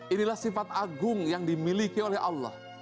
inilah sifat agung yang dimiliki oleh allah